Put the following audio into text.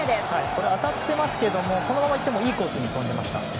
これ、当たっていますがこのままいってもいいコースに飛んでいました。